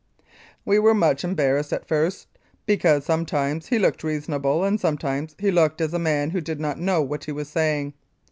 We were much embarrassed at first, because sometimes he looked reasonable and sometimes he looked as a man who did not know what he was saying.